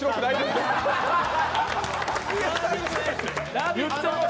ラヴィット！